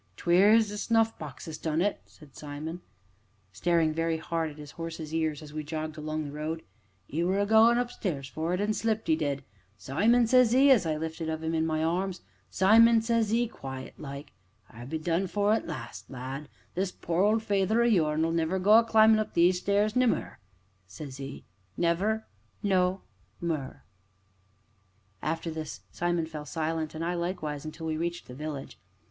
"'Twere 'is snuff box as done it!" said Simon, staring very hard at his horse's ears, as we jogged along the road. "'E were a goin' upstairs for it, an' slipped, 'e did. 'Simon,' says he, as I lifted of 'im in my arms, 'Simon,' says 'e, quiet like, 'I be done for at last, lad this poor old feyther o' yourn'll never go a climbin' up these stairs no more,' says 'e 'never no more.'" After this Simon fell silent, and I likewise, until we reached the village.